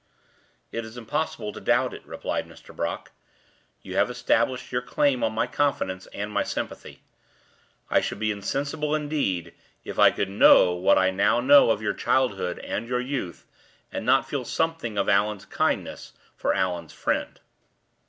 "It is impossible to doubt it," replied Mr. Brock. "You have established your claim on my confidence and my sympathy. I should be insensible, indeed, if I could know what I now know of your childhood and your youth, and not feel something of Allan's kindness for Allan's friend."